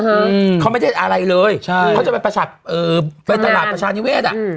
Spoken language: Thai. อืมเขาไม่ได้อะไรเลยใช่เขาจะไปประชัดเอ่อไปตลาดประชานิเศษอ่ะอืม